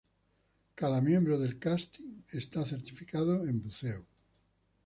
Cada miembro del cast está certificado en buceo.